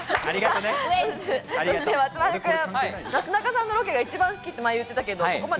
そして松丸君、なすなかさんのロケが一番好きって前、言ってたけど。